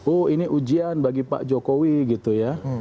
oh ini ujian bagi pak jokowi gitu ya